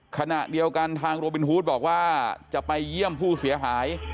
ขณะเดียวกันทางโรบินฮูดบอกว่าจะไปเยี่ยมผู้เสียหาย